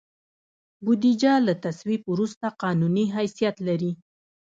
بودیجه له تصویب وروسته قانوني حیثیت لري.